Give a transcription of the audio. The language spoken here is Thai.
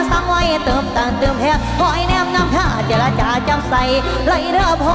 สาธุเดอร์ท่านเจ้าที่เจ้าท่านท่านเจ้าว่าเจ้าเมือง